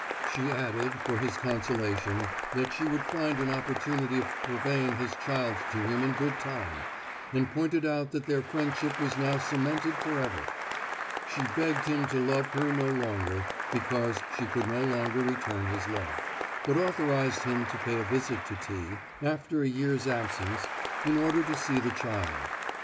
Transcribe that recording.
She added, for his consolation, that she would find an opportunity of purveying his child to him in good time, and pointed out that their friendship was now cemented for ever. She begged him to love her no longer, because she could no longer return his love, but authorized him to pay a visit to T—— after a year's absence, in order to see the child.